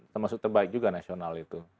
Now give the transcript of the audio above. termasuk terbaik juga nasional itu